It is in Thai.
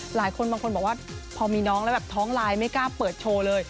บางคนบางคนบอกว่าพอมีน้องแล้วแบบท้องลายไม่กล้าเปิดโชว์เลย